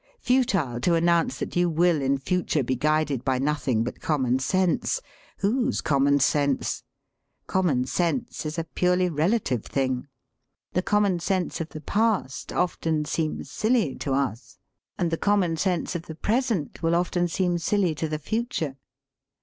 Futile to announce that you will in future be guided by nothing but common sense! Whose common sense? Common sense is a purely rela tive thing. The common sense of the past often seems silly to us, and the common sense of the 96 SELF AND SELF MANAGEMENT present will often seem siUy to the future.